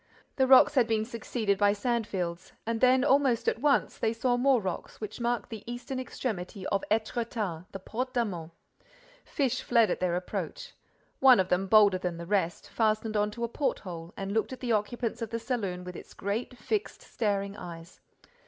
The rocks had been succeeded by sand fields and then, almost at once, they saw more rocks, which marked the eastern extremity of Étretat, the Porte d'Amont. Fish fled at their approach. One of them, bolder than the rest, fastened on to a porthole and looked at the occupants of the saloon with its great, fixed, staring eyes.